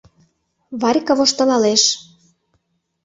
Варька воштылалеш.